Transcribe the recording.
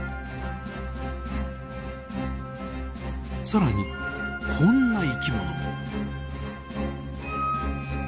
更にこんな生き物も。